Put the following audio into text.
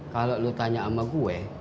kalau lo tanya sama gue